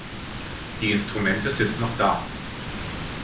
Die Instrumente sind doch da.